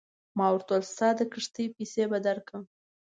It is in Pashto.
ما ورته وویل ستا د کښتۍ پیسې به درکړم.